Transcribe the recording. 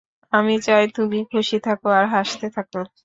আমি চাই তুমি খুশি থাকো, আর হাসতে থাকো।